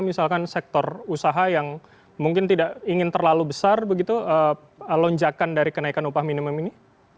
misalkan sektor usaha yang mungkin tidak ingin terlalu besar begitu lonjakan dari kenaikan upah minimum ini